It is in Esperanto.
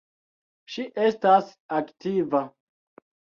Ŝi estas aktiva.